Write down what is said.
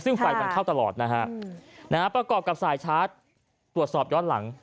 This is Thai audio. ซึ่งไฟมันเข้าตลอดนะฮะประกอบกับสายชาร์จตรวจสอบย้อนหลัง